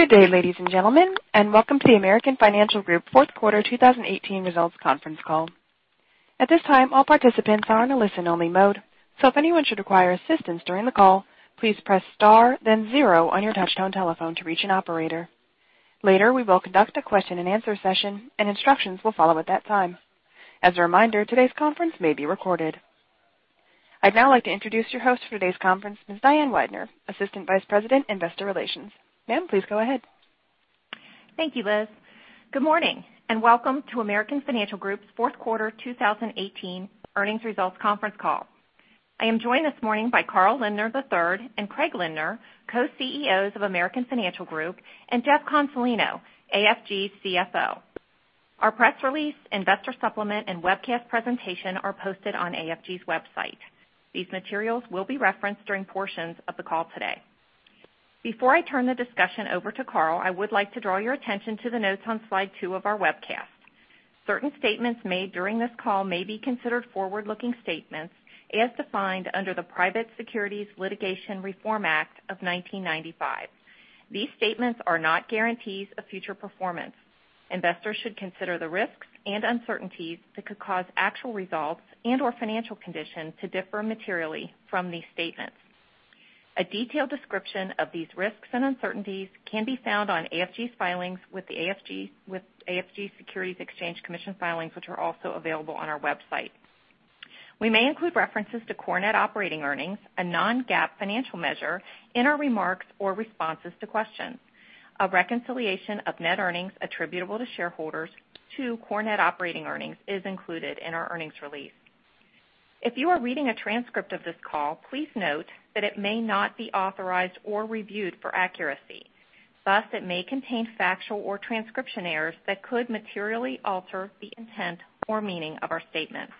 Good day, ladies and gentlemen, and welcome to the American Financial Group Fourth Quarter 2018 Results Conference Call. At this time, all participants are in a listen-only mode. If anyone should require assistance during the call, please press star then zero on your touch-tone telephone to reach an operator. Later, we will conduct a question-and-answer session, and instructions will follow at that time. As a reminder, today's conference may be recorded. I'd now like to introduce your host for today's conference, Ms. Diane Weidner, Assistant Vice President, Investor Relations. Ma'am, please go ahead. Thank you, Liz. Good morning, welcome to American Financial Group's fourth quarter 2018 earnings results conference call. I am joined this morning by Carl Lindner III and Craig Lindner, Co-CEOs of American Financial Group, and Jeff Consolino, AFG's CFO. Our press release, investor supplement, and webcast presentation are posted on AFG's website. These materials will be referenced during portions of the call today. Before I turn the discussion over to Carl, I would like to draw your attention to the notes on slide two of our webcast. Certain statements made during this call may be considered forward-looking statements as defined under the Private Securities Litigation Reform Act of 1995. These statements are not guarantees of future performance. Investors should consider the risks and uncertainties that could cause actual results and/or financial conditions to differ materially from these statements. A detailed description of these risks and uncertainties can be found on AFG's Securities and Exchange Commission filings, which are also available on our website. We may include references to core net operating earnings, a non-GAAP financial measure, in our remarks or responses to questions. A reconciliation of net earnings attributable to shareholders to core net operating earnings is included in our earnings release. If you are reading a transcript of this call, please note that it may not be authorized or reviewed for accuracy. Thus, it may contain factual or transcription errors that could materially alter the intent or meaning of our statement.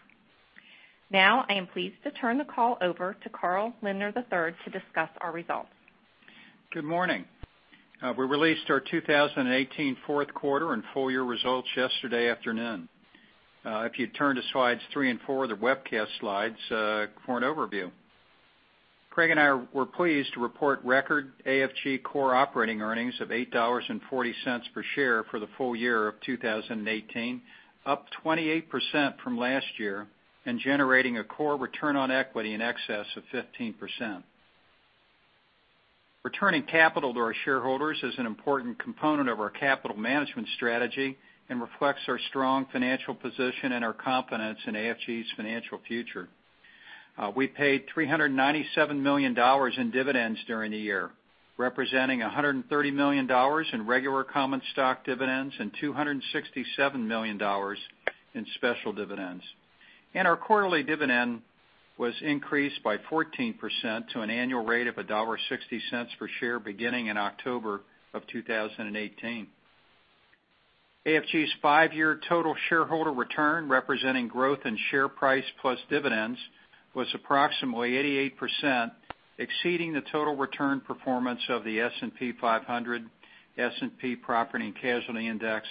Now, I am pleased to turn the call over to Carl Lindner III to discuss our results. Good morning. We released our 2018 fourth quarter and full year results yesterday afternoon. If you turn to slides three and four of the webcast slides for an overview. Craig and I were pleased to report record AFG core operating earnings of $8.40 per share for the full year of 2018, up 28% from last year, and generating a core return on equity in excess of 15%. Returning capital to our shareholders is an important component of our capital management strategy and reflects our strong financial position and our confidence in AFG's financial future. We paid $397 million in dividends during the year, representing $130 million in regular common stock dividends and $267 million in special dividends. Our quarterly dividend was increased by 14% to an annual rate of $1.60 per share beginning in October of 2018. AFG's five-year total shareholder return, representing growth in share price plus dividends, was approximately 88%, exceeding the total return performance of the S&P 500, S&P Property & Casualty Insurance Index,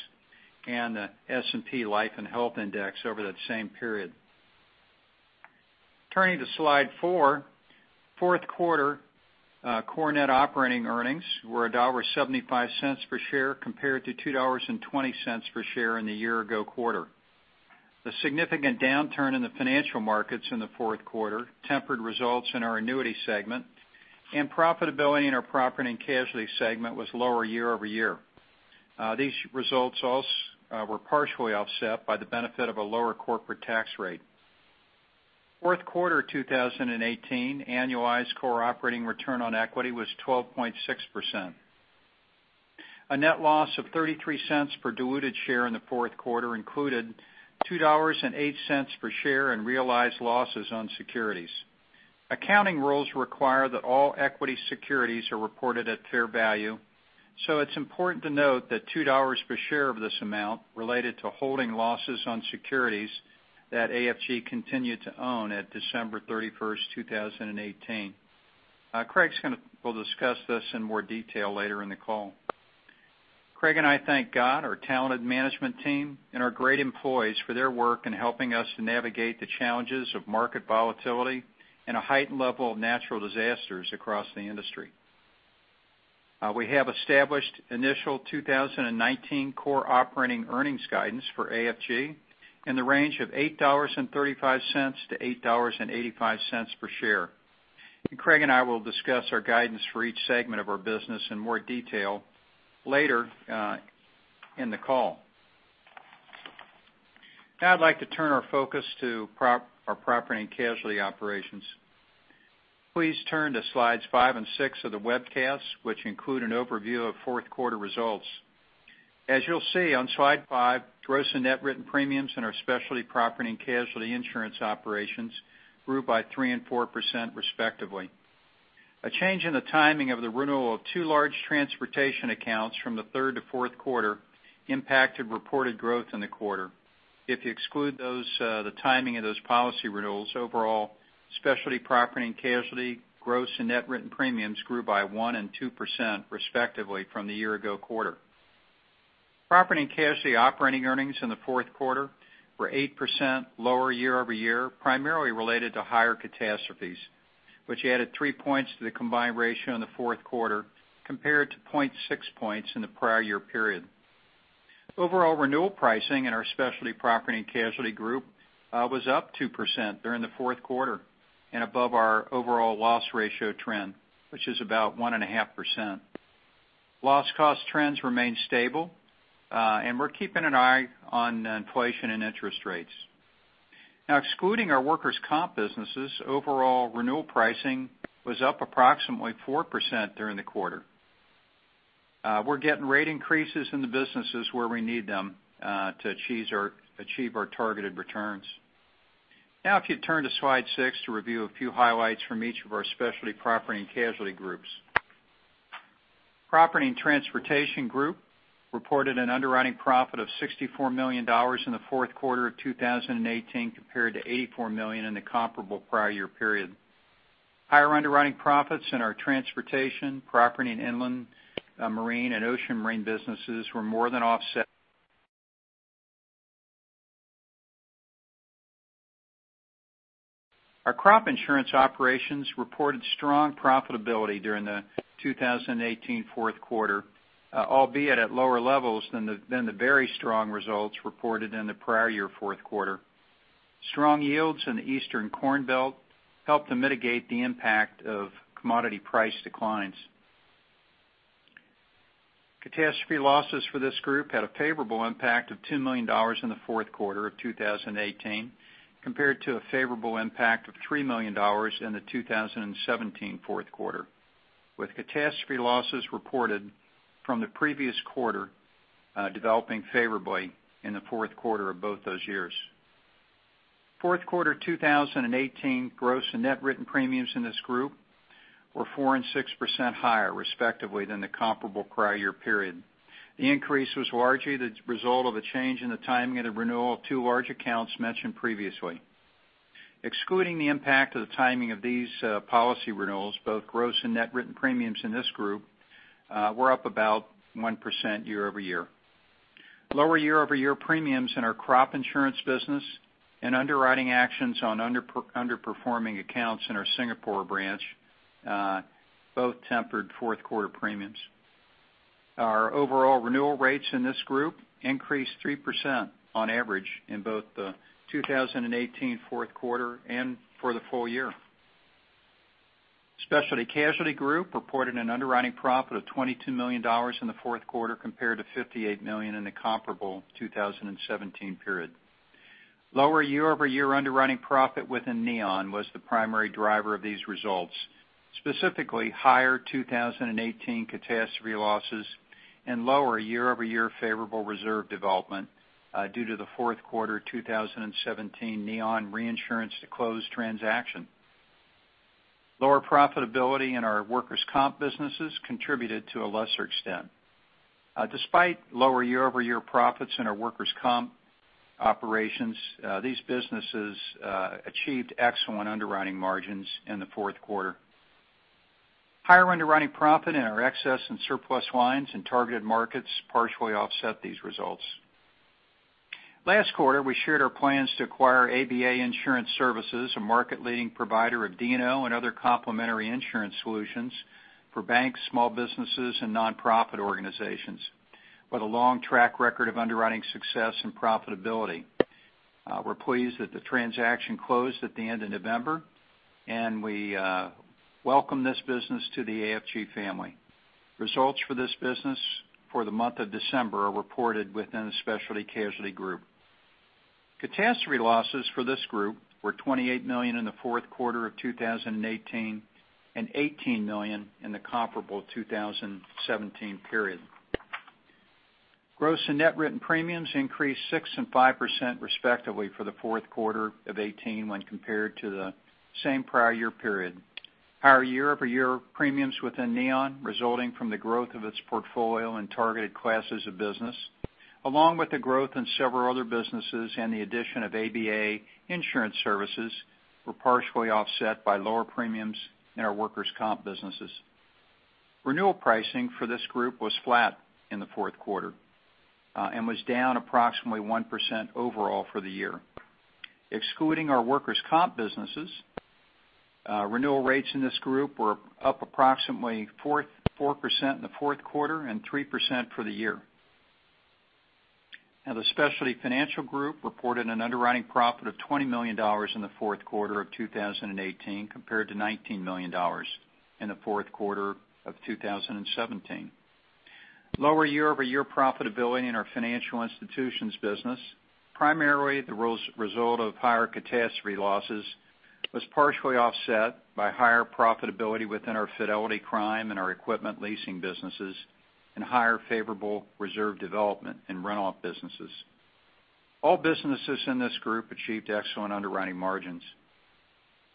and the S&P 500 Life & Health Insurance Index over that same period. Turning to slide four, fourth quarter core net operating earnings were $1.75 per share compared to $2.20 per share in the year-ago quarter. The significant downturn in the financial markets in the fourth quarter tempered results in our annuity segment, and profitability in our Property and Casualty segment was lower year-over-year. These results were partially offset by the benefit of a lower corporate tax rate. Fourth quarter 2018 annualized core operating return on equity was 12.6%. A net loss of $0.33 per diluted share in the fourth quarter included $2.08 per share in realized losses on securities. Accounting rules require that all equity securities are reported at fair value, so it's important to note that $2 per share of this amount related to holding losses on securities that AFG continued to own at December 31, 2018. Craig will discuss this in more detail later in the call. Craig and I thank God, our talented management team, and our great employees for their work in helping us to navigate the challenges of market volatility and a heightened level of natural disasters across the industry. We have established initial 2019 core operating earnings guidance for AFG in the range of $8.35-$8.85 per share. Craig and I will discuss our guidance for each segment of our business in more detail later in the call. I'd like to turn our focus to our Property and Casualty operations. Please turn to slides five and six of the webcast, which include an overview of fourth quarter results. As you'll see on slide five, gross and net written premiums in our Specialty Property and Casualty insurance operations grew by 3% and 4% respectively. A change in the timing of the renewal of two large transportation accounts from the third to fourth quarter impacted reported growth in the quarter. If you exclude the timing of those policy renewals overall, Specialty Property and Casualty gross and net written premiums grew by 1% and 2% respectively from the year-ago quarter. Property and Casualty operating earnings in the fourth quarter were 8% lower year-over-year, primarily related to higher catastrophes, which added three points to the combined ratio in the fourth quarter compared to 0.6 points in the prior year period. Overall renewal pricing in our Specialty Property and Casualty Group was up 2% during the fourth quarter and above our overall loss ratio trend, which is about 1.5%. Loss cost trends remain stable, and we're keeping an eye on inflation and interest rates. Excluding our workers' comp businesses, overall renewal pricing was up approximately 4% during the quarter. We're getting rate increases in the businesses where we need them to achieve our targeted returns. If you turn to slide six to review a few highlights from each of our Specialty Property and Casualty groups. Property and Transportation Group reported an underwriting profit of $64 million in the fourth quarter of 2018 compared to $84 million in the comparable prior year period. Higher underwriting profits in our transportation, property and inland marine, and ocean marine businesses were more than offset. Our crop insurance operations reported strong profitability during the 2018 fourth quarter, albeit at lower levels than the very strong results reported in the prior year fourth quarter. Strong yields in the Eastern Corn Belt helped to mitigate the impact of commodity price declines. Catastrophe losses for this group had a favorable impact of $2 million in the fourth quarter of 2018, compared to a favorable impact of $3 million in the 2017 fourth quarter, with catastrophe losses reported from the previous quarter developing favorably in the fourth quarter of both those years. Fourth quarter 2018 gross and net written premiums in this group were 4% and 6% higher, respectively, than the comparable prior year period. The increase was largely the result of a change in the timing of the renewal of two large accounts mentioned previously. Excluding the impact of the timing of these policy renewals, both gross and net written premiums in this group were up about 1% year-over-year. Lower year-over-year premiums in our crop insurance business and underwriting actions on underperforming accounts in our Singapore branch both tempered fourth quarter premiums. Our overall renewal rates in this group increased 3% on average in both the 2018 fourth quarter and for the full year. Specialty Casualty Group reported an underwriting profit of $22 million in the fourth quarter compared to $58 million in the comparable 2017 period. Lower year-over-year underwriting profit within Neon was the primary driver of these results, specifically higher 2018 catastrophe losses and lower year-over-year favorable reserve development due to the fourth quarter 2017 Neon reinsurance to close transaction. Lower profitability in our workers' comp businesses contributed to a lesser extent. Despite lower year-over-year profits in our workers' comp operations, these businesses achieved excellent underwriting margins in the fourth quarter. Higher underwriting profit in our excess and surplus lines and targeted markets partially offset these results. Last quarter, we shared our plans to acquire ABA Insurance Services, a market leading provider of D&O and other complementary insurance solutions for banks, small businesses, and nonprofit organizations, with a long track record of underwriting success and profitability. We are pleased that the transaction closed at the end of November, and we welcome this business to the AFG family. Results for this business for the month of December are reported within the Specialty Casualty Group. Catastrophe losses for this group were $28 million in the fourth quarter of 2018 and $18 million in the comparable 2017 period. Gross and net written premiums increased 6% and 5% respectively for the fourth quarter of 2018 when compared to the same prior year period. Higher year-over-year premiums within Neon resulting from the growth of its portfolio and targeted classes of business, along with the growth in several other businesses and the addition of ABA Insurance Services, were partially offset by lower premiums in our workers' comp businesses. Renewal pricing for this group was flat in the fourth quarter and was down approximately 1% overall for the year. Excluding our workers' comp businesses, renewal rates in this group were up approximately 4% in the fourth quarter and 3% for the year. The Specialty Financial Group reported an underwriting profit of $20 million in the fourth quarter of 2018 compared to $19 million in the fourth quarter of 2017. Lower year-over-year profitability in our financial institutions business, primarily the result of higher catastrophe losses, was partially offset by higher profitability within our fidelity crime and our equipment leasing businesses and higher favorable reserve development in runoff businesses. All businesses in this group achieved excellent underwriting margins.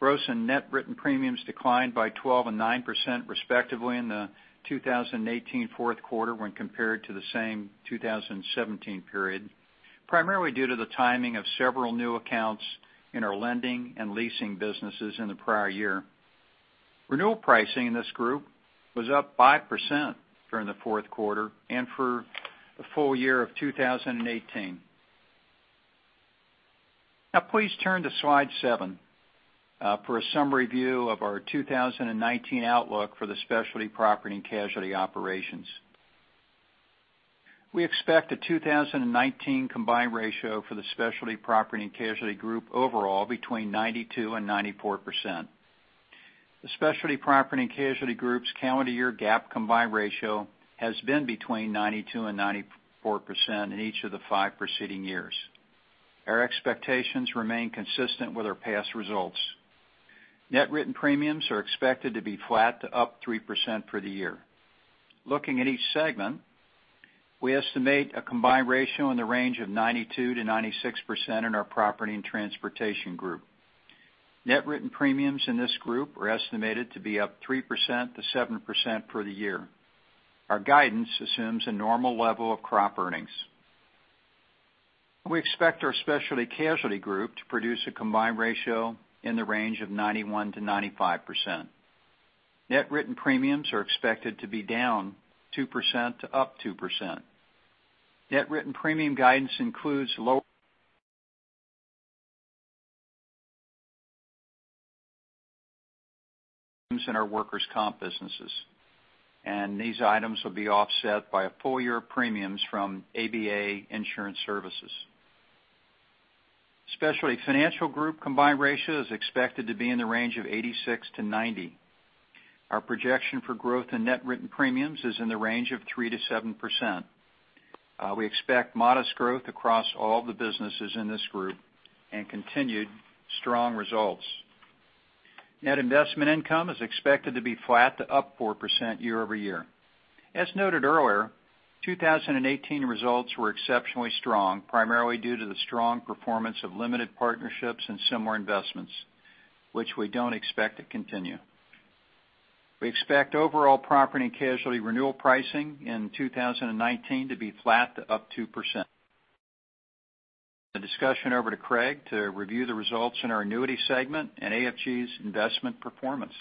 Gross and net written premiums declined by 12% and 9% respectively in the 2018 fourth quarter when compared to the same 2017 period, primarily due to the timing of several new accounts in our lending and leasing businesses in the prior year. Renewal pricing in this group was up 5% during the fourth quarter and for the full year of 2018. Please turn to slide seven for a summary view of our 2019 outlook for the Specialty Property and Casualty operations. We expect the 2019 combined ratio for the Specialty Property and Casualty group overall between 92% and 94%. The Specialty Property and Casualty group's calendar year GAAP combined ratio has been between 92% and 94% in each of the five preceding years. Our expectations remain consistent with our past results. Net written premiums are expected to be flat to up 3% for the year. Looking at each segment, we estimate a combined ratio in the range of 92%-96% in our Property and Transportation group. Net written premiums in this group are estimated to be up 3%-7% for the year. Our guidance assumes a normal level of crop earnings. We expect our Specialty Casualty group to produce a combined ratio in the range of 91%-95%. Net written premiums are expected to be down 2% to up 2%. Net written premium guidance includes low in our workers' comp businesses, these items will be offset by a full year of premiums from ABA Insurance Services. Specialty Financial Group combined ratio is expected to be in the range of 86%-90%. Our projection for growth in net written premiums is in the range of 3%-7%. We expect modest growth across all the businesses in this group and continued strong results. Net investment income is expected to be flat to up 4% year-over-year. As noted earlier, 2018 results were exceptionally strong, primarily due to the strong performance of limited partnerships and similar investments, which we don't expect to continue. We expect overall P&C renewal pricing in 2019 to be flat to up 2%. The discussion over to Craig to review the results in our Annuity segment and AFG's investment performance.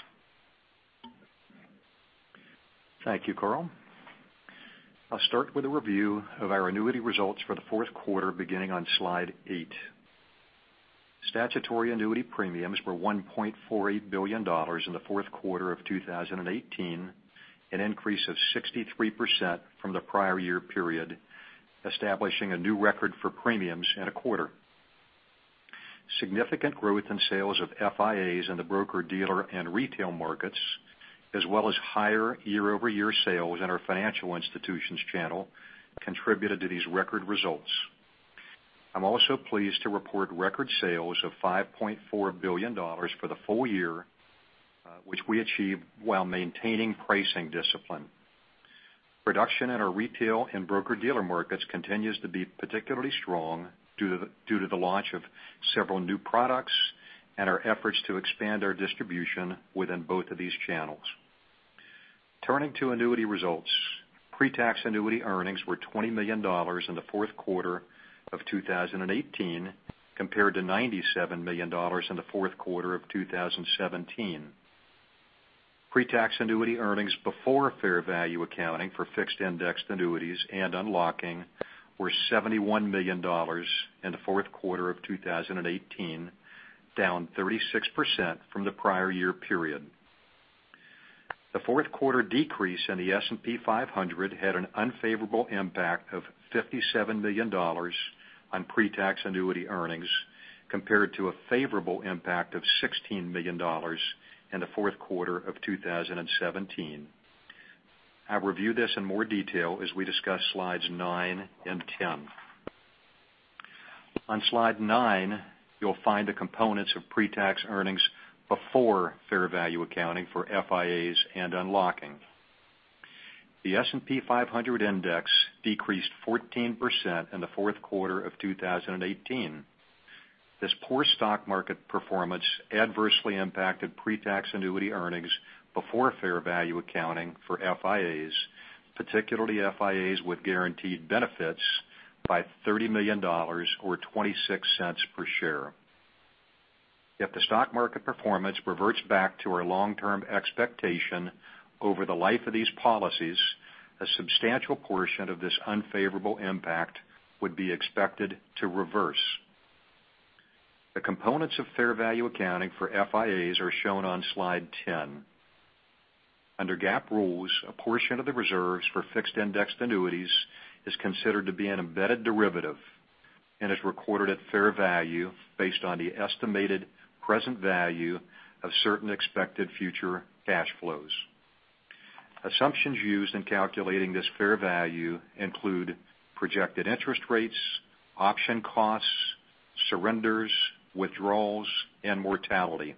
Thank you, Carl. I'll start with a review of our annuity results for the fourth quarter beginning on slide eight. Statutory annuity premiums were $1.48 billion in the fourth quarter of 2018, an increase of 63% from the prior year period, establishing a new record for premiums in a quarter. Significant growth in sales of FIAs in the broker-dealer and retail markets, as well as higher year-over-year sales in our financial institutions channel contributed to these record results. I'm also pleased to report record sales of $5.4 billion for the full year, which we achieved while maintaining pricing discipline. Production at our retail and broker-dealer markets continues to be particularly strong due to the launch of several new products and our efforts to expand our distribution within both of these channels. Turning to annuity results, pretax annuity earnings were $20 million in the fourth quarter of 2018, compared to $97 million in the fourth quarter of 2017. Pretax annuity earnings before fair value accounting for fixed-indexed annuities and unlocking were $71 million in the fourth quarter of 2018, down 36% from the prior year period. The fourth quarter decrease in the S&P 500 had an unfavorable impact of $57 million on pretax annuity earnings, compared to a favorable impact of $16 million in the fourth quarter of 2017. I review this in more detail as we discuss slides nine and 10. On slide nine, you'll find the components of pretax earnings before fair value accounting for FIAs and unlocking. The S&P 500 index decreased 14% in the fourth quarter of 2018. This poor stock market performance adversely impacted pretax annuity earnings before fair value accounting for FIAs, particularly FIAs with guaranteed benefits by $30 million, or $0.26 per share. If the stock market performance reverts back to our long-term expectation over the life of these policies, a substantial portion of this unfavorable impact would be expected to reverse. The components of fair value accounting for FIAs are shown on slide 10. Under GAAP rules, a portion of the reserves for fixed-indexed annuities is considered to be an embedded derivative and is recorded at fair value based on the estimated present value of certain expected future cash flows. Assumptions used in calculating this fair value include projected interest rates, option costs, surrenders, withdrawals, and mortality.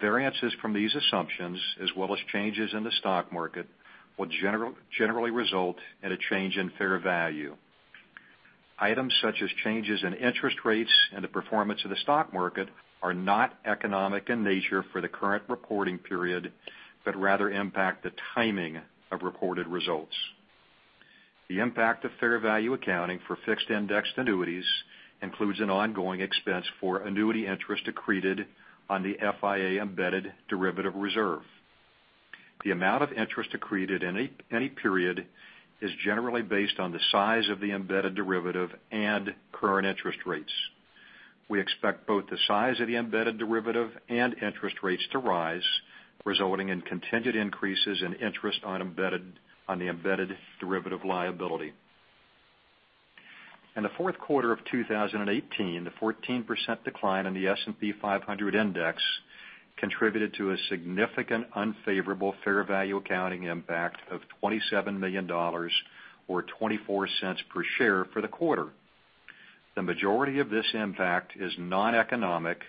Variances from these assumptions, as well as changes in the stock market, will generally result in a change in fair value. Items such as changes in interest rates and the performance of the stock market are not economic in nature for the current reporting period, but rather impact the timing of reported results. The impact of fair value accounting for fixed-indexed annuities includes an ongoing expense for annuity interest accreted on the FIA embedded derivative reserve. The amount of interest accreted in any period is generally based on the size of the embedded derivative and current interest rates. We expect both the size of the embedded derivative and interest rates to rise, resulting in continued increases in interest on the embedded derivative liability. In the fourth quarter of 2018, the 14% decline in the S&P 500 index contributed to a significant unfavorable fair value accounting impact of $27 million, or $0.24 per share for the quarter. The majority of this impact is non-economic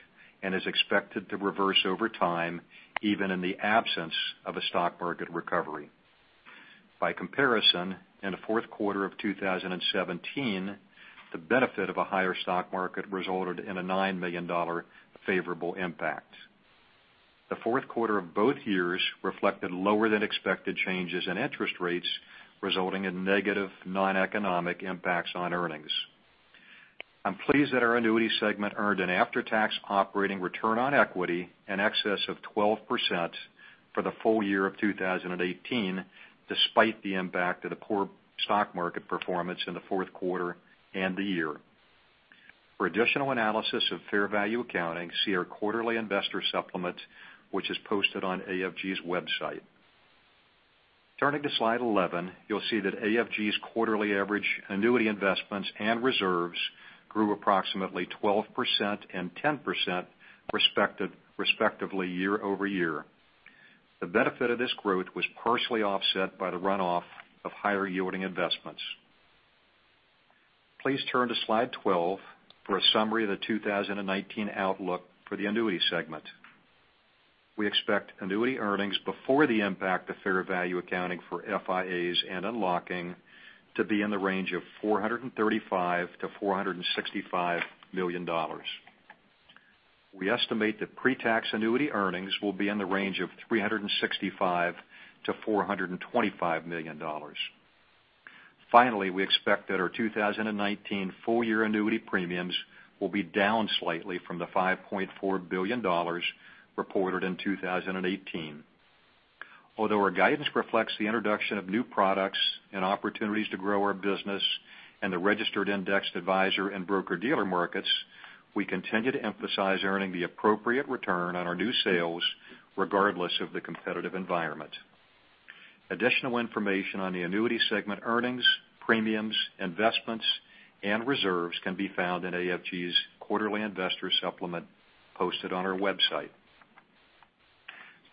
and is expected to reverse over time, even in the absence of a stock market recovery. By comparison, in the fourth quarter of 2017, the benefit of a higher stock market resulted in a $9 million favorable impact. The fourth quarter of both years reflected lower than expected changes in interest rates, resulting in negative non-economic impacts on earnings. I'm pleased that our annuity segment earned an after-tax operating return on equity in excess of 12% for the full year of 2018, despite the impact of the poor stock market performance in the fourth quarter and the year. For additional analysis of fair value accounting, see our quarterly investor supplement, which is posted on AFG's website. Turning to slide 11, you'll see that AFG's quarterly average annuity investments and reserves grew approximately 12% and 10% respectively year-over-year. The benefit of this growth was partially offset by the runoff of higher yielding investments. Please turn to slide 12 for a summary of the 2019 outlook for the annuity segment. We expect annuity earnings before the impact of fair value accounting for FIAs and unlocking to be in the range of $435 million-$465 million. We estimate that pre-tax annuity earnings will be in the range of $365 million-$425 million. Finally, we expect that our 2019 full year annuity premiums will be down slightly from the $5.4 billion reported in 2018. Although our guidance reflects the introduction of new products and opportunities to grow our business in the registered indexed advisor and broker-dealer markets, we continue to emphasize earning the appropriate return on our new sales, regardless of the competitive environment. Additional information on the annuity segment earnings, premiums, investments, and reserves can be found in AFG's quarterly investor supplement posted on our website.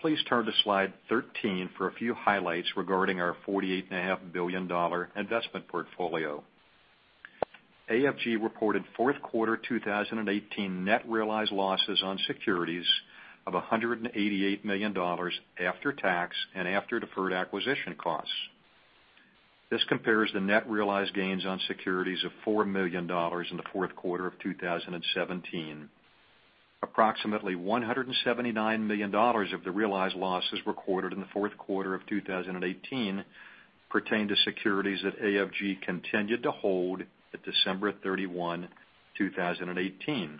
Please turn to slide 13 for a few highlights regarding our $48.5 billion investment portfolio. AFG reported fourth quarter 2018 net realized losses on securities of $188 million after tax and after deferred acquisition costs. This compares to net realized gains on securities of $4 million in the fourth quarter of 2017. Approximately $179 million of the realized losses recorded in the fourth quarter of 2018 pertained to securities that AFG continued to hold at December 31, 2018.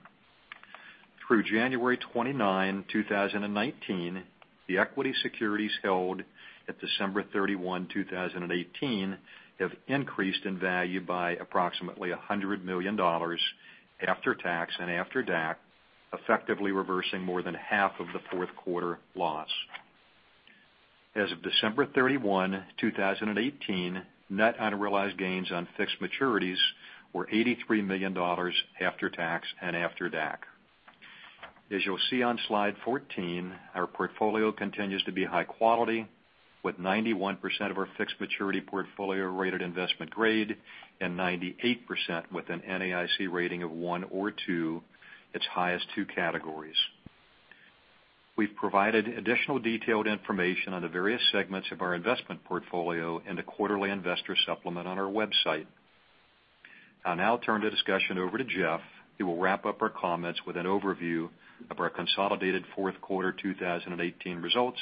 Through January 29, 2019, the equity securities held at December 31, 2018, have increased in value by approximately $100 million after tax and after DAC, effectively reversing more than half of the fourth quarter loss. As of December 31, 2018, net unrealized gains on fixed maturities were $83 million after tax and after DAC. As you'll see on slide 14, our portfolio continues to be high quality, with 91% of our fixed maturity portfolio rated investment grade and 98% with an NAIC rating of 1 or 2, its highest two categories. We've provided additional detailed information on the various segments of our investment portfolio in the quarterly investor supplement on our website. I'll now turn the discussion over to Jeff, who will wrap up our comments with an overview of our consolidated fourth quarter 2018 results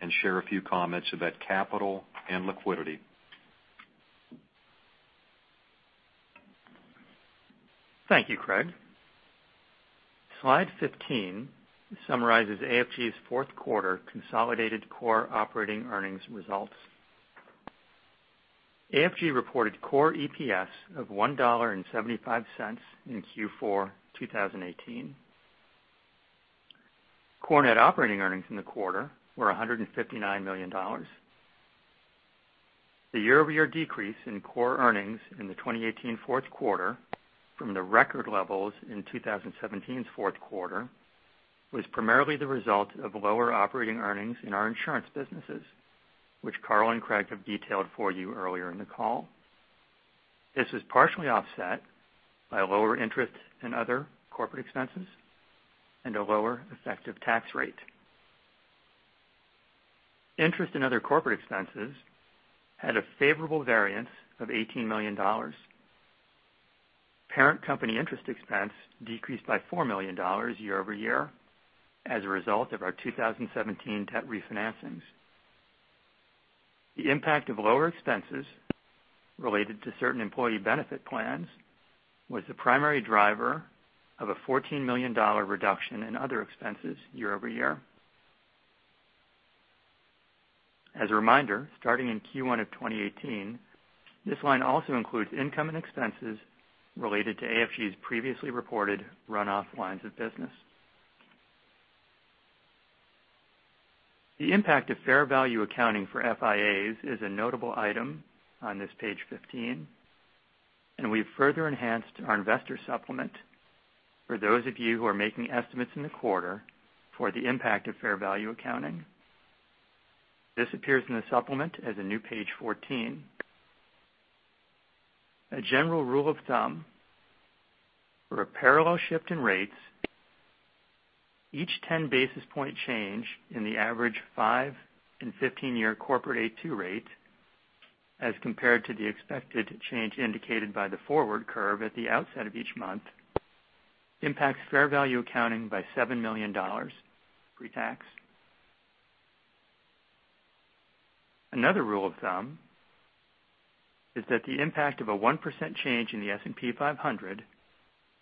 and share a few comments about capital and liquidity. Thank you, Craig. Slide 15 summarizes AFG's fourth quarter consolidated core operating earnings results. AFG reported core EPS of $1.75 in Q4 2018. Core net operating earnings in the quarter were $159 million. The year-over-year decrease in core earnings in the 2018 fourth quarter from the record levels in 2017's fourth quarter was primarily the result of lower operating earnings in our insurance businesses, which Carl and Craig have detailed for you earlier in the call. This is partially offset by lower interest in other corporate expenses and a lower effective tax rate. Interest in other corporate expenses had a favorable variance of $18 million. Parent company interest expense decreased by $4 million year-over-year as a result of our 2017 debt refinancings. The impact of lower expenses related to certain employee benefit plans was the primary driver of a $14 million reduction in other expenses year-over-year. As a reminder, starting in Q1 of 2018, this line also includes income and expenses related to AFG's previously reported runoff lines of business. The impact of fair value accounting for FIAs is a notable item on this page 15, and we've further enhanced our investor supplement for those of you who are making estimates in the quarter for the impact of fair value accounting. This appears in the supplement as a new page 14. A general rule of thumb for a parallel shift in rates, each 10 basis point change in the average five and 15-year corporate A2 rate as compared to the expected change indicated by the forward curve at the outset of each month impacts fair value accounting by $7 million pre-tax. Another rule of thumb is that the impact of a 1% change in the S&P 500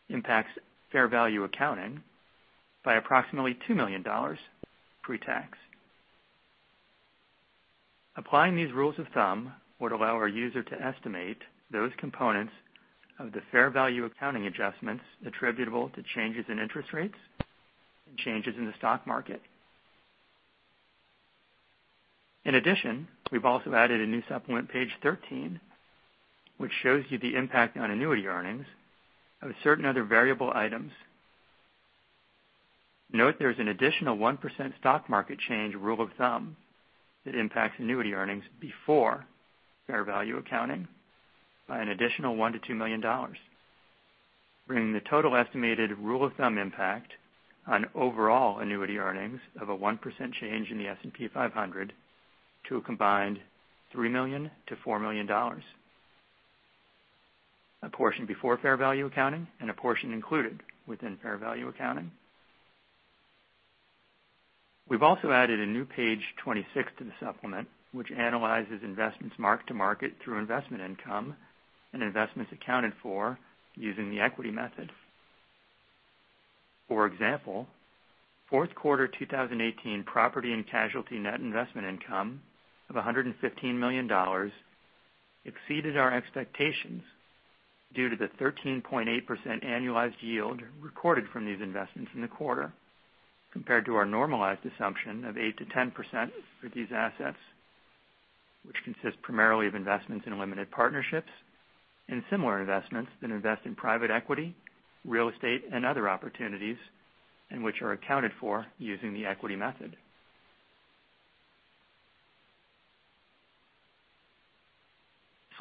impacts fair value accounting by approximately $2 million pre-tax. Applying these rules of thumb would allow our user to estimate those components of the fair value accounting adjustments attributable to changes in interest rates and changes in the stock market. In addition, we've also added a new supplement page 13, which shows you the impact on annuity earnings of certain other variable items. Note there's an additional 1% stock market change rule of thumb that impacts annuity earnings before fair value accounting by an additional $1 million to $2 million, bringing the total estimated rule of thumb impact on overall annuity earnings of a 1% change in the S&P 500 to a combined $3 million to $4 million, a portion before fair value accounting and a portion included within fair value accounting. We've also added a new page 26 to the supplement, which analyzes investments marked to market through investment income and investments accounted for using the equity method. For example, fourth quarter 2018 Property and Casualty net investment income of $115 million exceeded our expectations due to the 13.8% annualized yield recorded from these investments in the quarter, compared to our normalized assumption of 8%-10% for these assets, which consist primarily of investments in limited partnerships and similar investments that invest in private equity, real estate, and other opportunities, and which are accounted for using the equity method.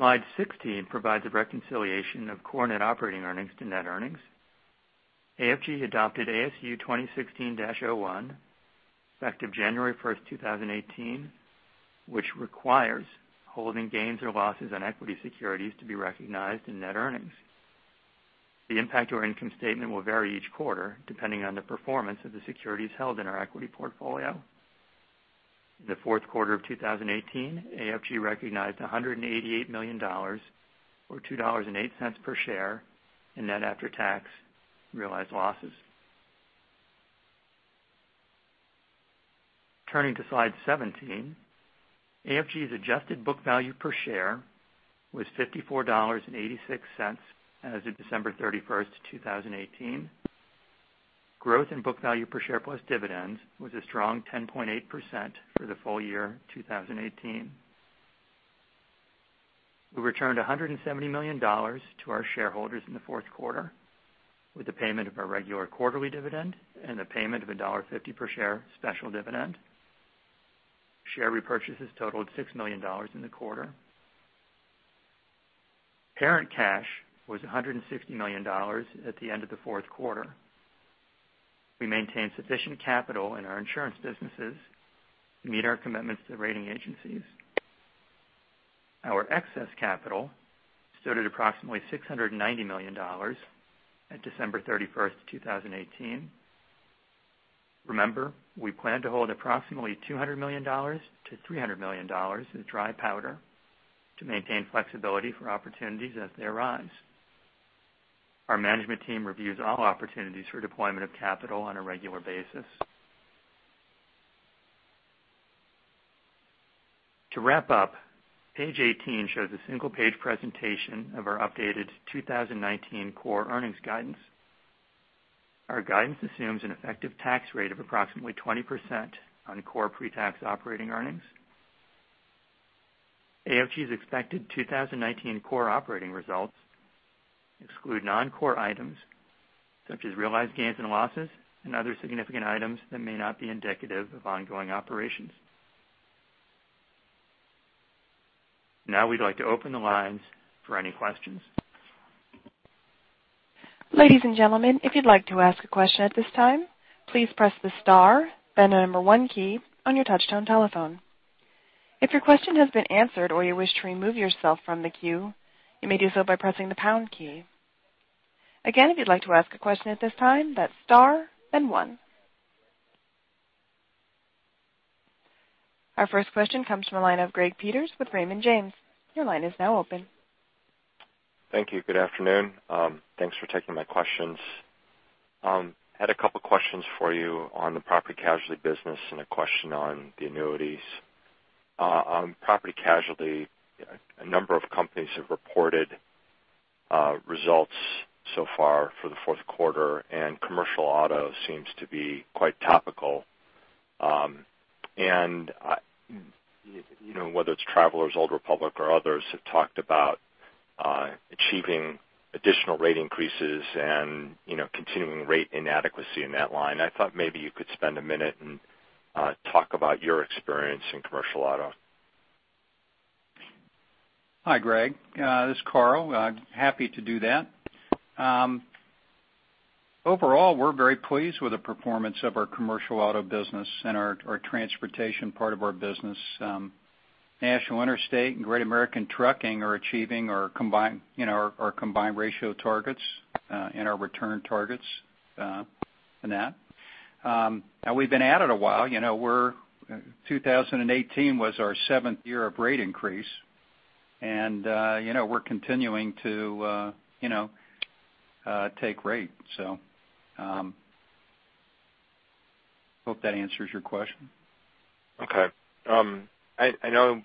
Slide 16 provides a reconciliation of core net operating earnings to net earnings. AFG adopted ASU 2016-01, effective January 1, 2018, which requires holding gains or losses on equity securities to be recognized in net earnings. The impact to our income statement will vary each quarter depending on the performance of the securities held in our equity portfolio. In the fourth quarter of 2018, AFG recognized $188 million or $2.08 per share in net after-tax realized losses. Turning to slide 17, AFG's adjusted book value per share was $54.86 as of December 31st, 2018. Growth in book value per share plus dividends was a strong 10.8% for the full year 2018. We returned $170 million to our shareholders in the fourth quarter with the payment of our regular quarterly dividend and the payment of a $1.50 per share special dividend. Share repurchases totaled $6 million in the quarter. Parent cash was $160 million at the end of the fourth quarter. We maintain sufficient capital in our insurance businesses to meet our commitments to the rating agencies. Our excess capital stood at approximately $690 million at December 31st, 2018. Remember, we plan to hold approximately $200 million-$300 million in dry powder to maintain flexibility for opportunities as they arise. Our management team reviews all opportunities for deployment of capital on a regular basis. To wrap up, page 18 shows a single-page presentation of our updated 2019 core earnings guidance. Our guidance assumes an effective tax rate of approximately 20% on core pre-tax operating earnings. AFG's expected 2019 core operating results exclude non-core items such as realized gains and losses and other significant items that may not be indicative of ongoing operations. We'd like to open the lines for any questions. Ladies and gentlemen, if you'd like to ask a question at this time, please press the star then the number one key on your touchtone telephone. If your question has been answered or you wish to remove yourself from the queue, you may do so by pressing the pound key. Again, if you'd like to ask a question at this time, that's star and one. Our first question comes from the line of Greg Peters with Raymond James. Your line is now open. Thank you. Good afternoon. Thanks for taking my questions. Had a couple questions for you on the property and casualty business and a question on the annuities. On property and casualty, a number of companies have reported results so far for the fourth quarter, and commercial auto seems to be quite topical. Whether it's Travelers, Old Republic, or others have talked about achieving additional rate increases and continuing rate inadequacy in that line. I thought maybe you could spend a minute and talk about your experience in commercial auto. Hi, Greg. This is Carl. Happy to do that. Overall, we're very pleased with the performance of our commercial auto business and our transportation part of our business. National Interstate and Great American Trucking are achieving our combined ratio targets and our return targets in that. We've been at it a while. 2018 was our seventh year of rate increase, and we're continuing to take rate. Hope that answers your question. Okay. I know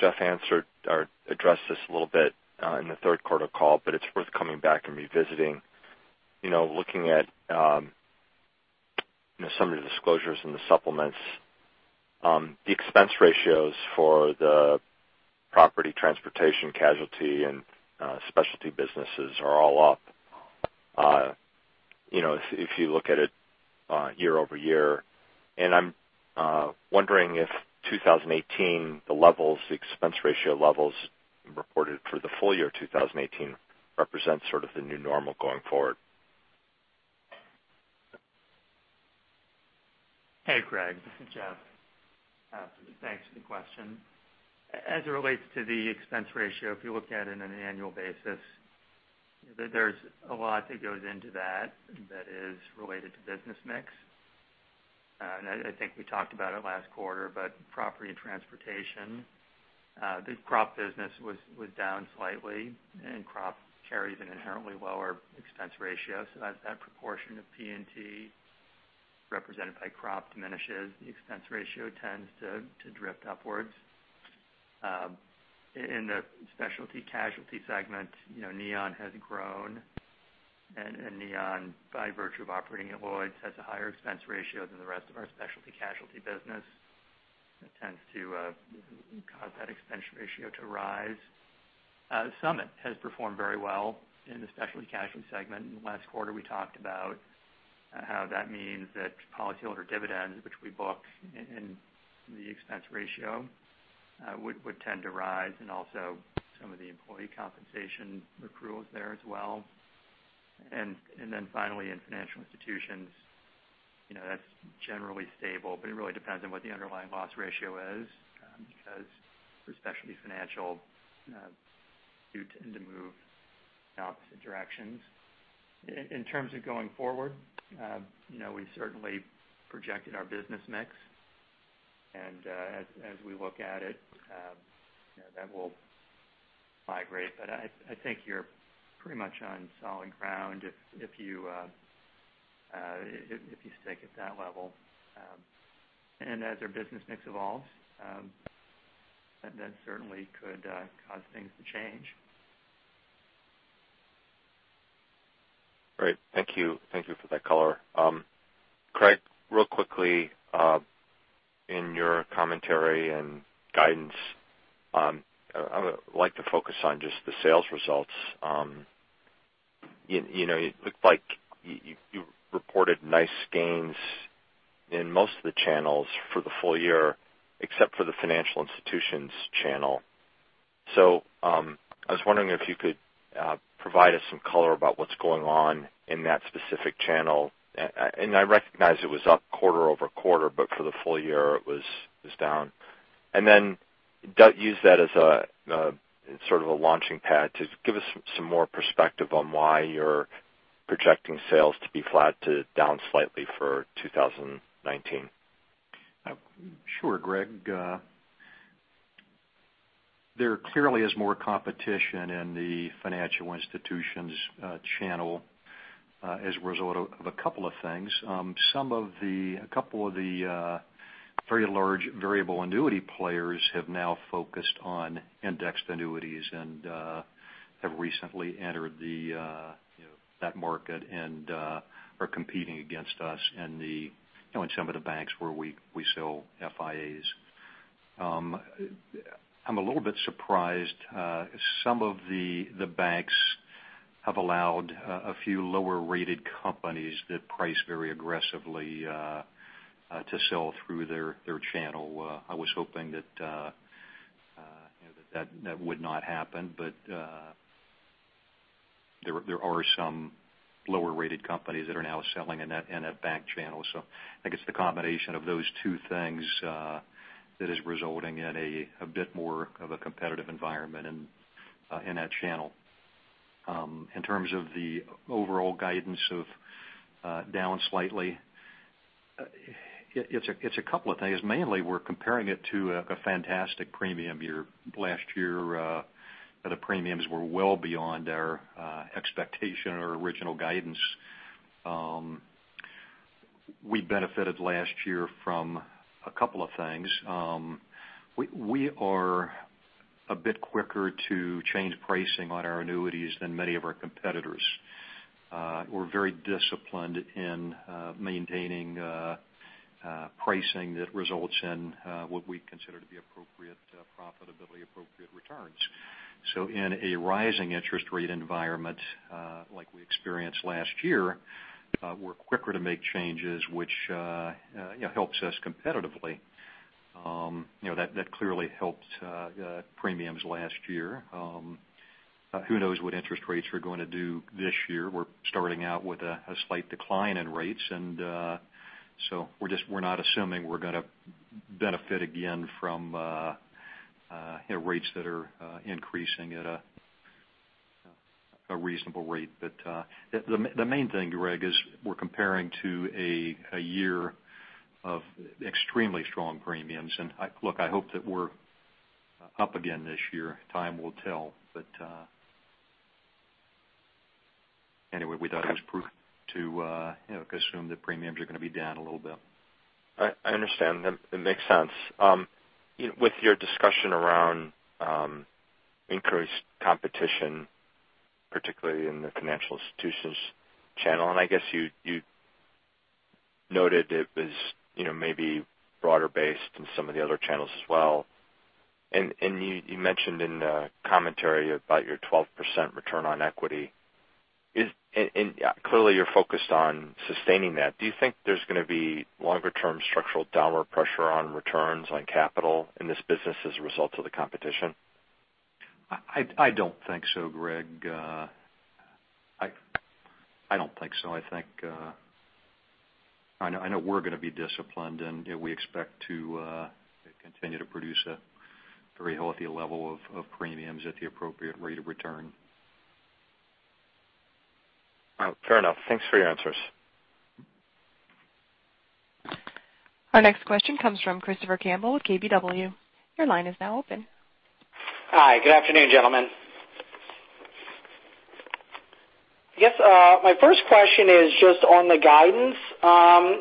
Jeff answered or addressed this a little bit in the third quarter call. It's worth coming back and revisiting. Looking at some of the disclosures in the supplements, the expense ratios for the property, transportation, casualty, and specialty businesses are all up if you look at it year-over-year. I'm wondering if 2018, the expense ratio levels reported for the full year 2018 represents sort of the new normal going forward. Hey, Greg. This is Jeff. Thanks for the question. As it relates to the expense ratio, if you look at it in an annual basis, there's a lot that goes into that that is related to business mix. I think we talked about it last quarter. Property and Transportation, the crop business was down slightly, and crop carries an inherently lower expense ratio. As that proportion of P&C represented by crop diminishes, the expense ratio tends to drift upwards. In the Specialty Casualty segment, Neon has grown, and Neon, by virtue of operating at Lloyd's, has a higher expense ratio than the rest of our Specialty Casualty business. It tends to cause that expense ratio to rise. Summit has performed very well in the Specialty Casualty segment. In the last quarter, we talked about how that means that policyholder dividends, which we book in the expense ratio would tend to rise, and also some of the employee compensation accruals there as well. Finally, in financial institutions, that's generally stable. It really depends on what the underlying loss ratio is because for Specialty Financial, do tend to move in opposite directions. In terms of going forward, we certainly projected our business mix. As we look at it that will migrate, I think you're pretty much on solid ground if you stick at that level. As our business mix evolves, that then certainly could cause things to change. Great. Thank you for that color. Craig, real quickly, in your commentary and guidance, I would like to focus on just the sales results. It looked like you reported nice gains in most of the channels for the full year except for the financial institutions channel. I was wondering if you could provide us some color about what is going on in that specific channel. I recognize it was up quarter-over-quarter, but for the full year it was down. Then use that as sort of a launching pad to give us some more perspective on why you are projecting sales to be flat to down slightly for 2019. Sure, Greg. There clearly is more competition in the financial institutions channel as a result of a couple of things. A couple of the very large variable annuity players have now focused on indexed annuities and have recently entered that market and are competing against us in some of the banks where we sell FIAs. I am a little bit surprised some of the banks have allowed a few lower-rated companies that price very aggressively to sell through their channel. I was hoping that that would not happen, but there are some lower-rated companies that are now selling in that bank channel. I think it is the combination of those two things that is resulting in a bit more of a competitive environment in that channel. In terms of the overall guidance of down slightly, it is a couple of things. Mainly, we are comparing it to a fantastic premium year. Last year, the premiums were well beyond our expectation or original guidance. We benefited last year from a couple of things. We are a bit quicker to change pricing on our annuities than many of our competitors. We are very disciplined in maintaining pricing that results in what we consider to be appropriate profitability, appropriate returns. In a rising interest rate environment, like we experienced last year, we are quicker to make changes, which helps us competitively. That clearly helped premiums last year. Who knows what interest rates are going to do this year? We are starting out with a slight decline in rates. We are not assuming we are going to benefit again from rates that are increasing at a reasonable rate. The main thing, Greg, is we are comparing to a year of extremely strong premiums. Look, I hope that we are up again this year. Time will tell. Anyway, we thought it was prudent to assume that premiums are going to be down a little bit. I understand. It makes sense. With your discussion around increased competition, particularly in the financial institutions channel, and I guess you noted it was maybe broader based in some of the other channels as well, and you mentioned in the commentary about your 12% return on equity. Clearly you're focused on sustaining that. Do you think there's going to be longer-term structural downward pressure on returns on capital in this business as a result of the competition? I don't think so, Greg. I don't think so. I know we're going to be disciplined, and we expect to continue to produce a very healthy level of premiums at the appropriate rate of return. Fair enough. Thanks for your answers. Our next question comes from Christopher Campbell with KBW. Your line is now open. Hi. Good afternoon, gentlemen. I guess my first question is just on the guidance.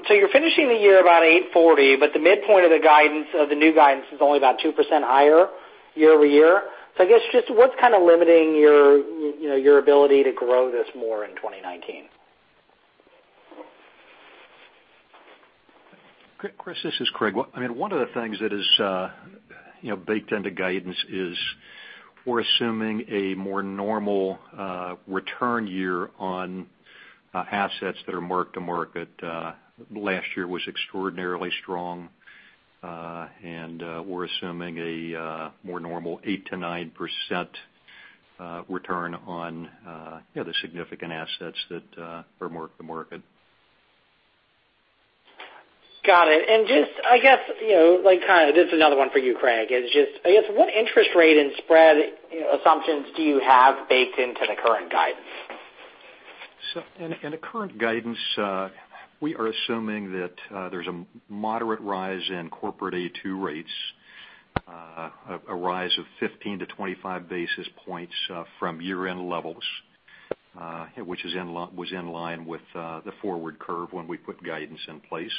You're finishing the year about $8.40, the midpoint of the new guidance is only about 2% higher year-over-year. I guess, just what's kind of limiting your ability to grow this more in 2019? Chris, this is Craig. One of the things that is baked into guidance is we're assuming a more normal return year on assets that are mark-to-market. Last year was extraordinarily strong, we're assuming a more normal 8%-9% return on the significant assets that are mark-to-market. Got it. Just, I guess, this is another one for you, Craig, is just, I guess what interest rate and spread assumptions do you have baked into the current guidance? In the current guidance, we are assuming that there's a moderate rise in corporate A2 rates, a rise of 15-25 basis points from year-end levels which was in line with the forward curve when we put guidance in place.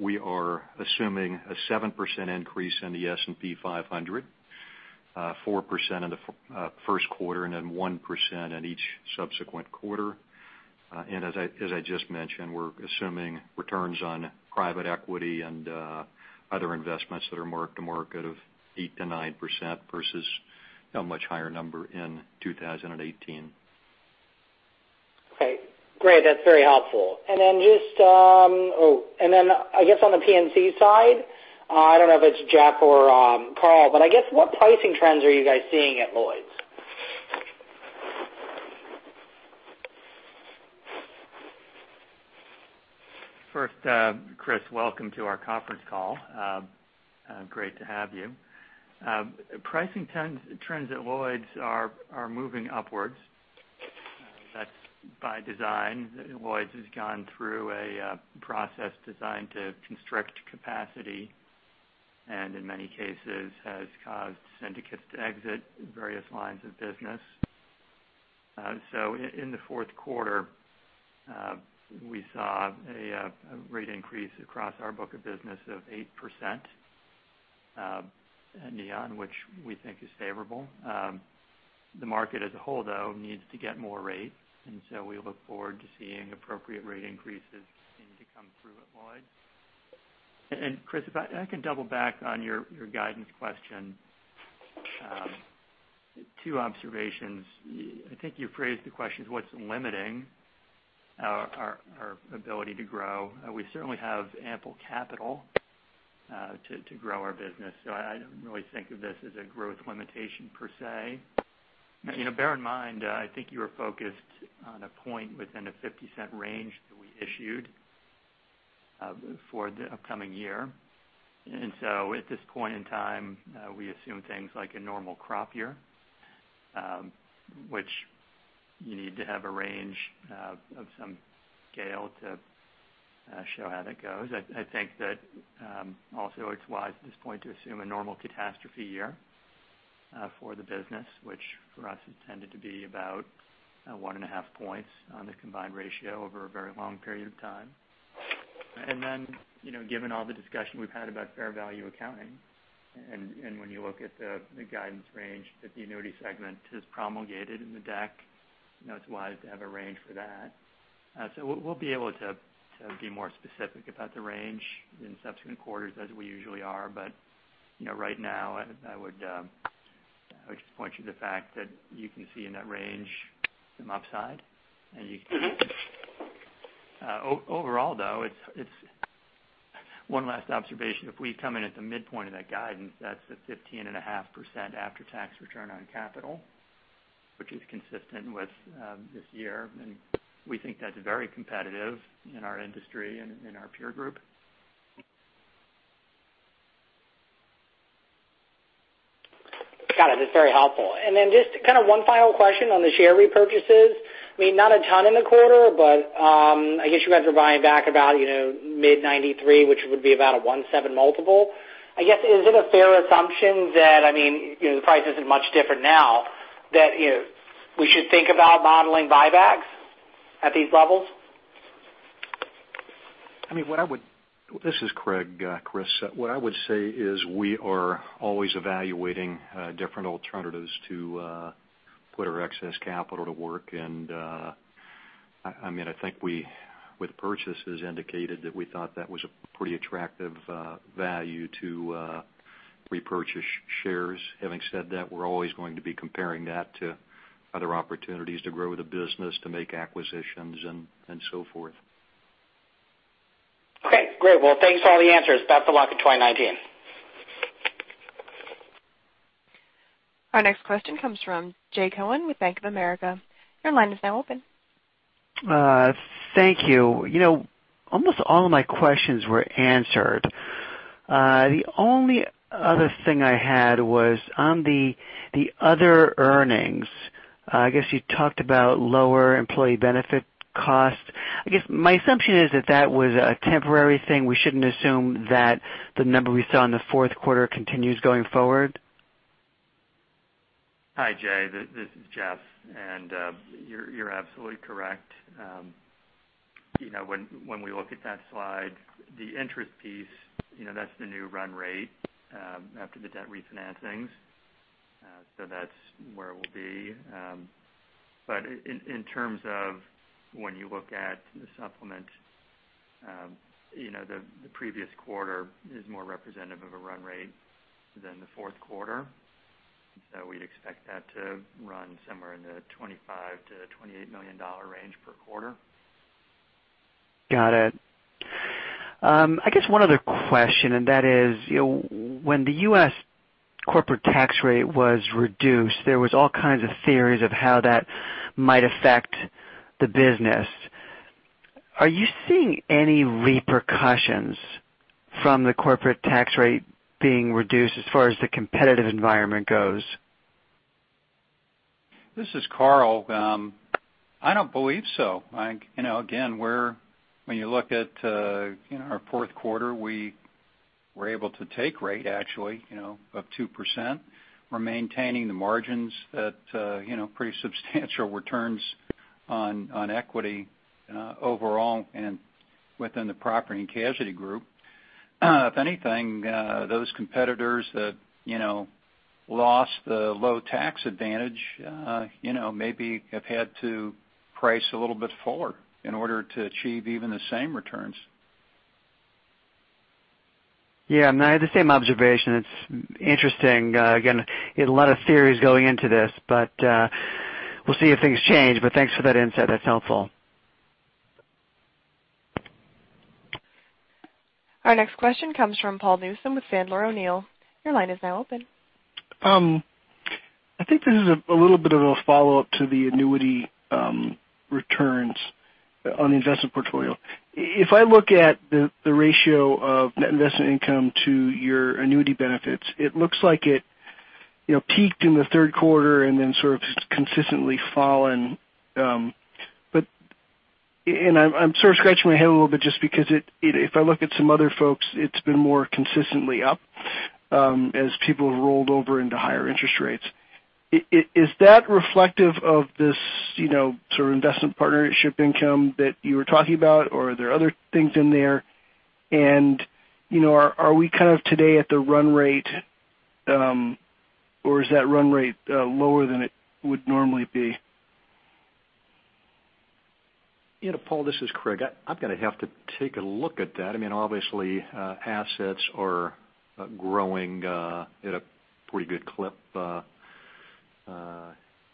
We are assuming a 7% increase in the S&P 500, 4% in the first quarter, then 1% in each subsequent quarter. As I just mentioned, we're assuming returns on private equity and other investments that are mark-to-market of 8%-9% versus a much higher number in 2018. Okay, great. That's very helpful. Then I guess on the P&C side, I don't know if it's Jeff or Carl, but I guess what pricing trends are you guys seeing at Lloyd's? First Chris, welcome to our conference call. Great to have you. Pricing trends at Lloyd's are moving upwards. That's by design. Lloyd's has gone through a process designed to constrict capacity, and in many cases has caused syndicates to exit various lines of business. In the fourth quarter, we saw a rate increase across our book of business of 8% annual, which we think is favorable. The market as a whole, though, needs to get more rate, so we look forward to seeing appropriate rate increases continue to come through at Lloyd's. Chris, if I can double back on your guidance question. Two observations. I think you phrased the question as what's limiting our ability to grow. We certainly have ample capital to grow our business. I don't really think of this as a growth limitation per se. Bear in mind, I think you were focused on a point within a $0.50 range that we issued for the upcoming year. At this point in time, we assume things like a normal crop year, which you need to have a range of some scale to show how that goes. I think that also it's wise at this point to assume a normal catastrophe year for the business, which for us has tended to be about one and a half points on the combined ratio over a very long period of time. Then, given all the discussion we've had about fair value accounting, when you look at the guidance range that the annuity segment has promulgated in the deck, it's wise to have a range for that. We'll be able to be more specific about the range in subsequent quarters as we usually are. Right now, I would just point you to the fact that you can see in that range some upside. Overall though, one last observation, if we come in at the midpoint of that guidance, that's a 15.5% after-tax return on capital, which is consistent with this year. We think that's very competitive in our industry and in our peer group. Got it. That's very helpful. Just one final question on the share repurchases. Not a ton in the quarter, but you guys are buying back about mid $93, which would be about a 1.7 multiple. Is it a fair assumption that the price isn't much different now, that we should think about modeling buybacks at these levels? This is Craig, Chris. What I would say is we are always evaluating different alternatives to put our excess capital to work. I think with purchases indicated that we thought that was a pretty attractive value to repurchase shares. Having said that, we're always going to be comparing that to other opportunities to grow the business, to make acquisitions and so forth. Okay, great. Well, thanks for all the answers. Best of luck in 2019. Our next question comes from Jay Cohen with Bank of America. Your line is now open. Thank you. Almost all of my questions were answered. The only other thing I had was on the other earnings. I guess you talked about lower employee benefit cost. I guess my assumption is that that was a temporary thing. We shouldn't assume that the number we saw in the fourth quarter continues going forward? Hi, Jay. This is Jeff. You're absolutely correct. When we look at that slide, the interest piece, that's the new run rate after the debt refinancings. That's where we'll be. In terms of when you look at the supplement, the previous quarter is more representative of a run rate than the fourth quarter. We'd expect that to run somewhere in the $25 million to $28 million range per quarter. Got it. I guess one other question, and that is, when the U.S. corporate tax rate was reduced, there was all kinds of theories of how that might affect the business. Are you seeing any repercussions from the corporate tax rate being reduced as far as the competitive environment goes? This is Carl. I don't believe so. Again, when you look at our fourth quarter, we were able to take rate actually up 2%. We're maintaining the margins at pretty substantial returns on equity overall and within the property and casualty group. If anything, those competitors that lost the low tax advantage maybe have had to price a little bit forward in order to achieve even the same returns. Yeah, I had the same observation. It's interesting. Again, a lot of theories going into this, but we'll see if things change. Thanks for that insight. That's helpful. Our next question comes from Paul Newsome with Sandler O'Neill. Your line is now open. I think this is a little bit of a follow-up to the annuity returns on the investment portfolio. If I look at the ratio of net investment income to your annuity benefits, it looks like it peaked in the third quarter and then sort of consistently fallen. I'm sort of scratching my head a little bit just because if I look at some other folks, it's been more consistently up as people have rolled over into higher interest rates. Is that reflective of this sort of investment partnership income that you were talking about, or are there other things in there? Are we kind of today at the run rate, or is that run rate lower than it would normally be? Paul, this is Craig. I'm going to have to take a look at that. Obviously, assets are growing at a pretty good clip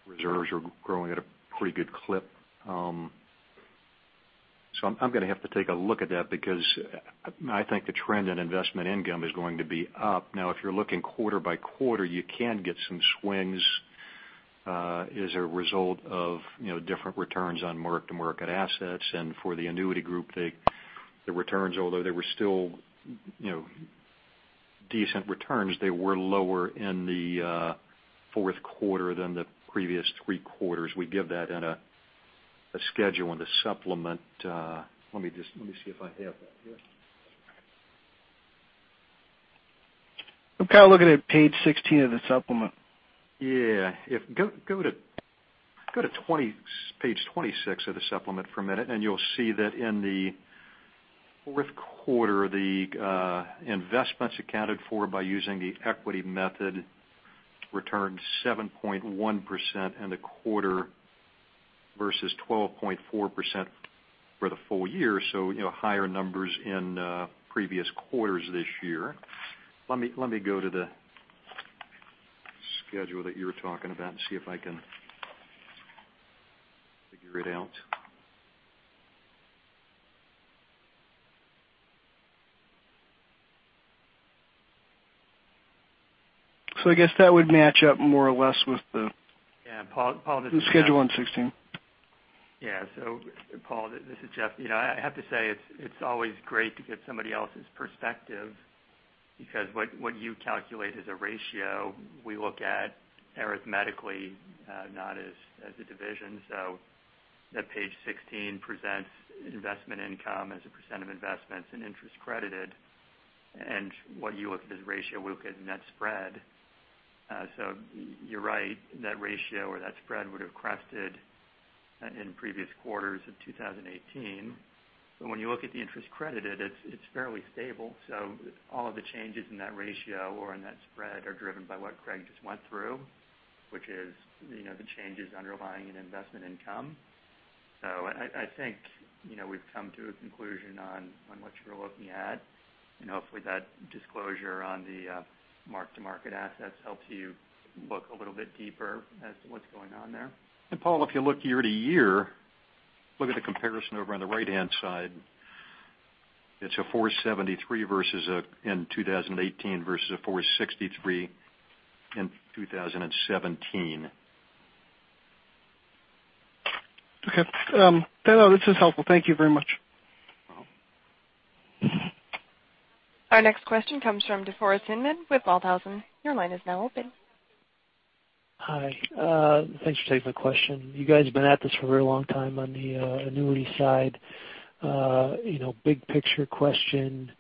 Reserves are growing at a pretty good clip. I'm going to have to take a look at that because I think the trend in investment income is going to be up. If you're looking quarter by quarter, you can get some swings as a result of different returns on mark-to-market assets. For the annuity group, the returns, although they were still decent returns, they were lower in the fourth quarter than the previous three quarters. We give that in a schedule in the supplement. Let me see if I have that here. I'm kind of looking at page 16 of the supplement. Yeah. Go to page 26 of the supplement for a minute, you'll see that in the fourth quarter, the investments accounted for by using the equity method returned 7.1% in the quarter versus 12.4% for the full year. Higher numbers in previous quarters this year. Let me go to the schedule that you were talking about and see if I can figure it out. I guess that would match up more or less. Yeah, Paul, this is Jeff. The schedule on 16. Paul, this is Jeff. I have to say, it's always great to get somebody else's perspective because what you calculate as a ratio, we look at arithmetically not as a division. That page 16 presents investment income as a % of investments and interest credited. What you look at as ratio, we look at net spread. You're right, that ratio or that spread would have crested in previous quarters of 2018. When you look at the interest credited, it's fairly stable. All of the changes in that ratio or in that spread are driven by what Craig just went through, which is the changes underlying in investment income. I think we've come to a conclusion on what you were looking at. Hopefully that disclosure on the mark-to-market assets helps you look a little bit deeper as to what's going on there. Paul, if you look year-to-year, look at the comparison over on the right-hand side. It's a 473 in 2018 versus a 463 in 2017. Okay. No, this is helpful. Thank you very much. No problem. Our next question comes from DeForest Hinman with Walthausen. Your line is now open. Hi. Thanks for taking the question. You guys have been at this for a very long time on the annuity side. Big-picture question.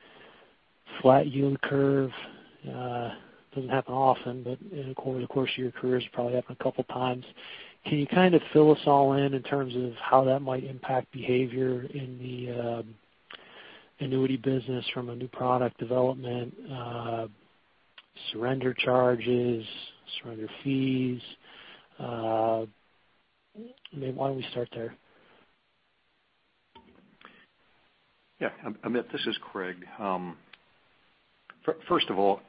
Flat yield curve, doesn't happen often, but in the course of your careers, probably happened a couple times. Can you kind of fill us all in terms of how that might impact behavior in the annuity business from a new product development, surrender charges, surrender fees? I mean, why don't we start there? Yeah. Amit, this is Craig. First of all,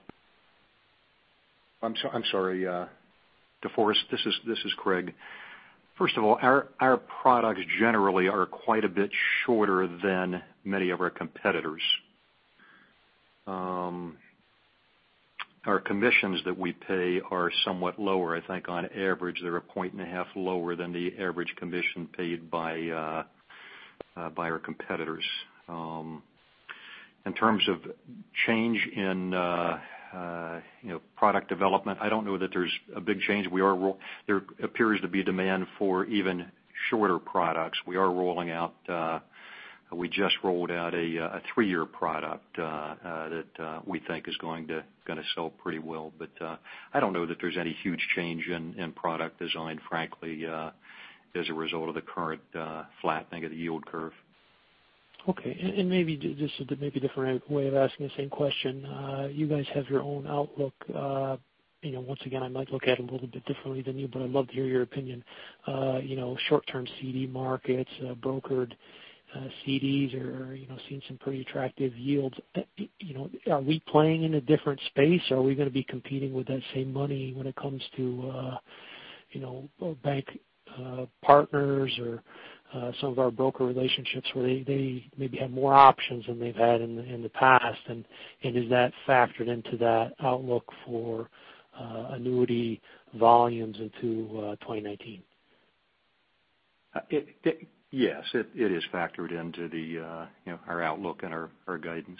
I'm sorry, DeForest. This is Craig. First of all, our products generally are quite a bit shorter than many of our competitors. Our commissions that we pay are somewhat lower. I think on average, they're a point and a half lower than the average commission paid by our competitors. In terms of change in product development, I don't know that there's a big change. There appears to be demand for even shorter products. We just rolled out a three-year product that we think is going to sell pretty well. I don't know that there's any huge change in product design, frankly, as a result of the current flattening of the yield curve. Okay. Maybe just a different way of asking the same question. You guys have your own outlook. Once again, I might look at it a little bit differently than you, but I'd love to hear your opinion. Short-term CD markets, brokered CDs are seeing some pretty attractive yields. Are we playing in a different space? Are we going to be competing with that same money when it comes to bank partners or some of our broker relationships where they maybe have more options than they've had in the past? Is that factored into that outlook for annuity volumes into 2019? Yes. It is factored into our outlook and our guidance.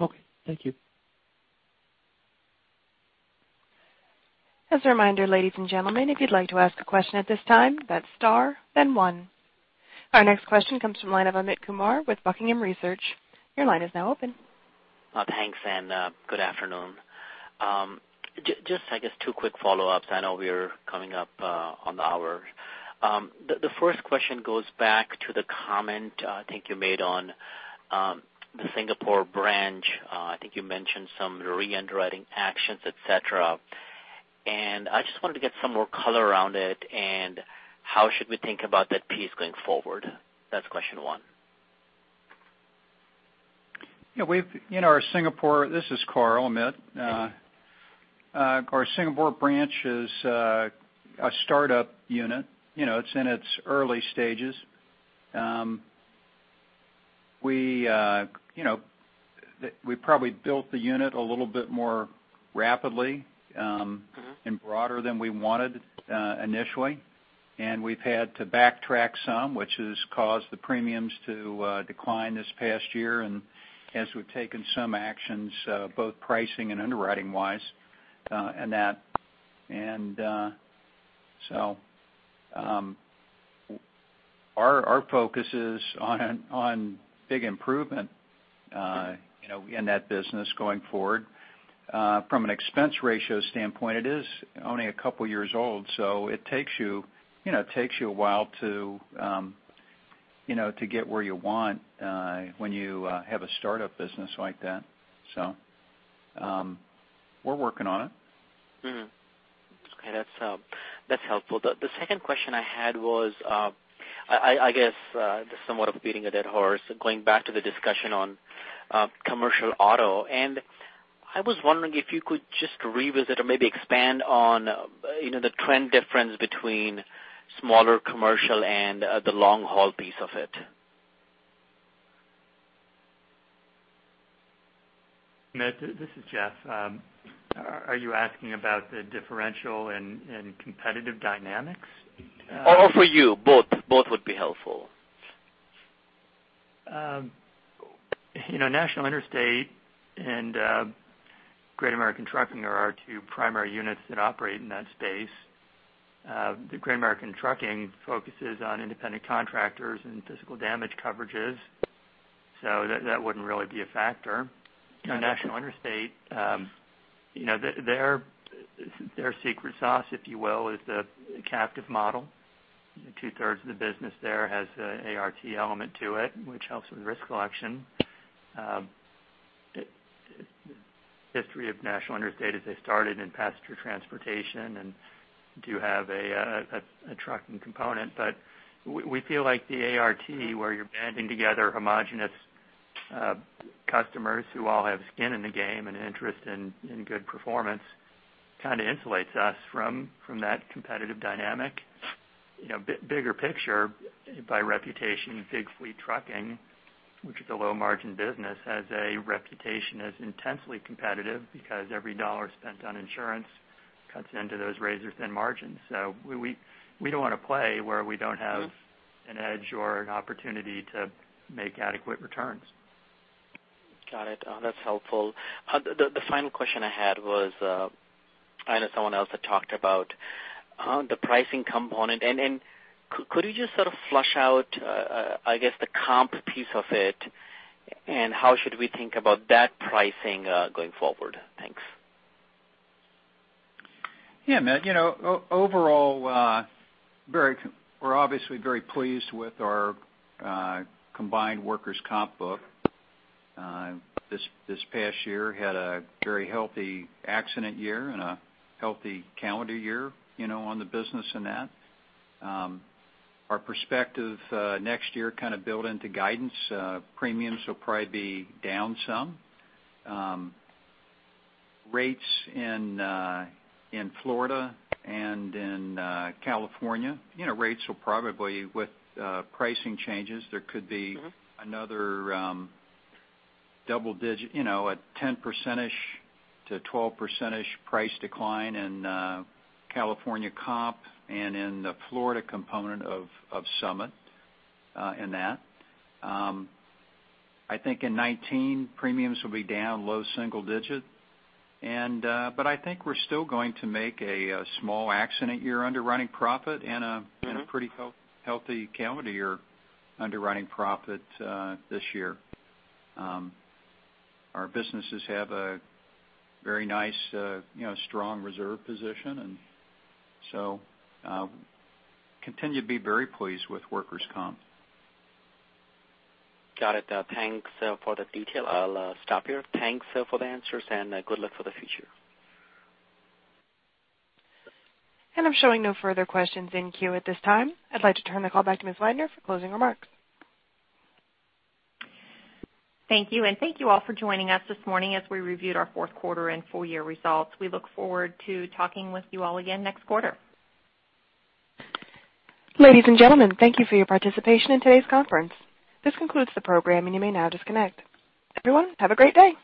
Okay. Thank you. As a reminder, ladies and gentlemen, if you'd like to ask a question at this time, that's star then one. Our next question comes from the line of Amit Kumar with Buckingham Research. Your line is now open. Thanks. Good afternoon. Just I guess two quick follow-ups. I know we're coming up on the hour. The first question goes back to the comment I think you made on the Singapore branch. I think you mentioned some re-underwriting actions, et cetera. I just wanted to get some more color around it, and how should we think about that piece going forward? That's question one. This is Carl, Amit. Our Singapore branch is a startup unit. It's in its early stages. We probably built the unit a little bit more rapidly and broader than we wanted initially, and we've had to backtrack some, which has caused the premiums to decline this past year, and as we've taken some actions both pricing and underwriting-wise in that. Our focus is on big improvement in that business going forward. From an expense ratio standpoint, it is only a couple of years old, so it takes you a while to get where you want when you have a startup business like that. We're working on it. Okay, that's helpful. The second question I had was, I guess this is somewhat of beating a dead horse, going back to the discussion on commercial auto. I was wondering if you could just revisit or maybe expand on the trend difference between smaller commercial and the long-haul piece of it. Amit, this is Jeff. Are you asking about the differential and competitive dynamics? For you, both would be helpful. National Interstate and Great American Trucking are our two primary units that operate in that space. The Great American Trucking focuses on independent contractors and physical damage coverages, so that wouldn't really be a factor. National Interstate, their secret sauce, if you will, is the captive model. Two-thirds of the business there has an ART element to it, which helps with risk collection. History of National Interstate is they started in passenger transportation and do have a trucking component. We feel like the ART, where you're banding together homogenous customers who all have skin in the game and interest in good performance, kind of insulates us from that competitive dynamic. Bigger picture, by reputation, big fleet trucking, which is a low-margin business, has a reputation as intensely competitive because every dollar spent on insurance cuts into those razor-thin margins. We don't want to play where we don't have an edge or an opportunity to make adequate returns. Got it. That's helpful. The final question I had was, I know someone else had talked about the pricing component. Could you just sort of flush out, I guess, the comp piece of it, and how should we think about that pricing going forward? Thanks. Yeah, Amit. Overall, we're obviously very pleased with our combined workers' comp book. This past year had a very healthy accident year and a healthy calendar year on the business in that. Our perspective next year kind of built into guidance. Premiums will probably be down some. Rates in Florida and in California, rates will probably, with pricing changes, there could be another double digit, a 10%-12% price decline in California comp and in the Florida component of Summit in that. I think in 2019, premiums will be down low single digit. I think we're still going to make a small accident year underwriting profit and a pretty healthy calendar year underwriting profit this year. Our businesses have a very nice, strong reserve position. Continue to be very pleased with workers' comp. Got it. Thanks for the detail. I'll stop here. Thanks for the answers, good luck for the future. I'm showing no further questions in queue at this time. I'd like to turn the call back to Ms. Weidner for closing remarks. Thank you, thank you all for joining us this morning as we reviewed our fourth quarter and full-year results. We look forward to talking with you all again next quarter. Ladies and gentlemen, thank you for your participation in today's conference. This concludes the program, you may now disconnect. Everyone, have a great day.